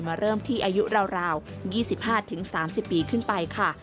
เริ่มที่อายุราว๒๕๓๐ปีขึ้นไปค่ะ